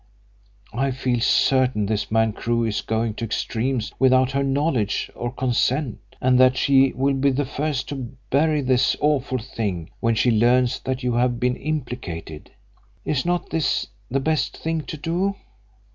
I feel certain this man Crewe is going to extremes without her knowledge or consent, and that she will be the first to bury this awful thing when she learns that you have been implicated. Is not this the best thing to do?"